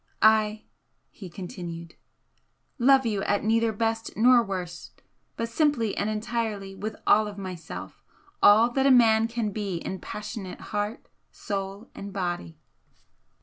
"I," he continued "love you at neither best nor worst, but simply and entirely with all of myself all that a man can be in passionate heart, soul and body!"